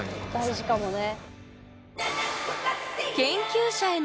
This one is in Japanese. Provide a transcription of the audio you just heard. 大事かもね。